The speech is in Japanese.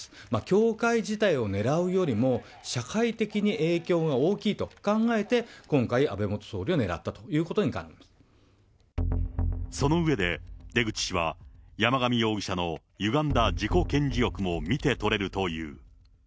教会自体をねらうよりも、社会的に影響が大きいと考えて、今回、安倍元総理を狙ったというその上で、出口氏は山上容疑者のゆがんだ自己顕示欲も見て取れるという。